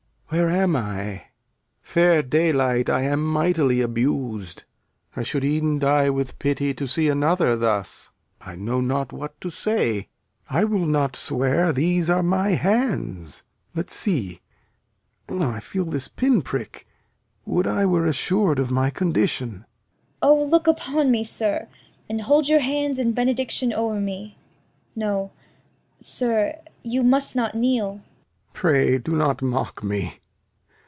Where am I? Fair daylight, I am mightily abus'd. I should e'en die with pity, To see another thus. I know not what to say. I will not swear these are my hands. Let's see. I feel this pin prick. Would I were assur'd Of my condition! Cor. O, look upon me, sir, And hold your hands in benediction o'er me. No, sir, you must not kneel. Lear. Pray, do not mock me.